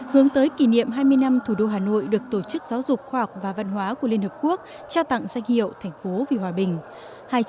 hướng tới kỷ niệm hai mươi năm thủ đô hà nội được tổ chức giáo dục khoa học và văn hóa của liên hợp quốc trao tặng danh hiệu thành phố vì hòa bình